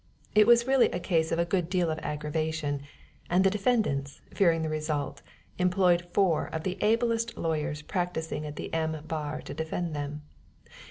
It was really a case of a good deal of aggravation, and the defendants, fearing the result, employed four of the ablest lawyers practicing at the M. bar to defend them.